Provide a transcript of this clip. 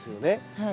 はい。